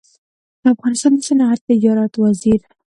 د افغانستان د صنعت تجارت وزیر